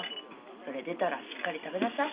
それ出たらしっかり食べなさい。